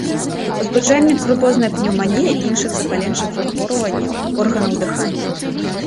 Узбуджальнік крупознай пнеўманіі і іншых запаленчых захворванняў органаў дыхання.